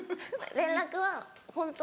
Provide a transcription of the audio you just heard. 連絡はホントに。